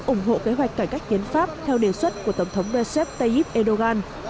ủng hộ kế hoạch cải cách kiến pháp theo đề xuất của tổng thống recep tayyip erdogan